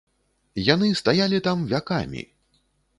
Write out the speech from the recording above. Яны стаялі там вякамі!